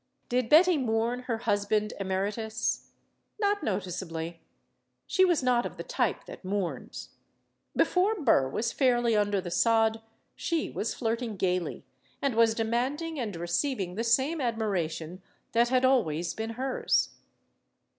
Did Betty mourn her husband emeritus? Not no ticeably. She was not of the type that mourns. Be fore Burr was fairly under the sod, she was flirting gayly and was demanding and receiving the same ad miration that had always been hers.